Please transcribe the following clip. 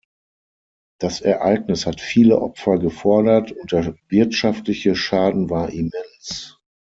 Das Ereignis hat viele Opfer gefordert und der wirtschaftliche Schaden war immens.